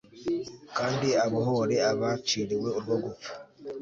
kandi abohore abaciriwe urwo gupfa